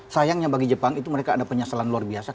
sayangnya bagi jepang itu mereka ada penyesalan luar biasa